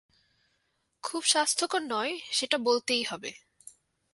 খুব স্বাস্থ্যকর নয়, সেটা বলতেই হবে।